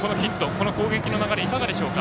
この攻撃の流れ、どうでしょうか。